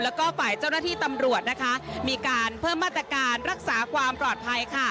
แล้วก็ฝ่ายเจ้าหน้าที่ตำรวจนะคะมีการเพิ่มมาตรการรักษาความปลอดภัยค่ะ